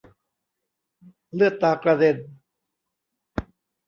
เลือดตากระเด็น